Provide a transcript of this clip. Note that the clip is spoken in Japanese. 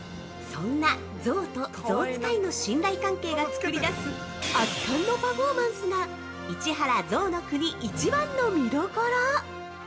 ◆そんな象と象使いの信頼関係が作り出す圧巻のパフォーマンスが市原ぞうの国一番の見どころ！